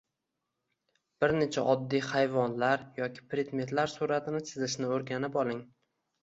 Bir necha oddiy hayvonlar yoki predmetlar suratini chizishni o‘rganib oling